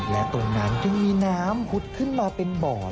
และตรงนั้นจึงมีน้ำหุดขึ้นมาเป็นบ่อ